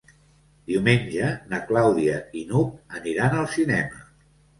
Diumenge na Clàudia i n'Hug aniran al cinema.